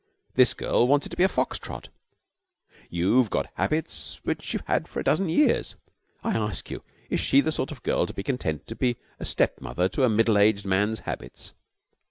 This girl wants it to be a fox trot. You've got habits which you have had for a dozen years. I ask you, is she the sort of girl to be content to be a stepmother to a middle aged man's habits?